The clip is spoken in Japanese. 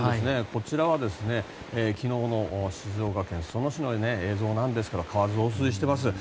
こちらは昨日の静岡県裾野市の映像なんですが川が増水しています。